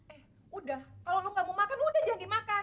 eh udah kalau kamu gak mau makan udah jangan dimakan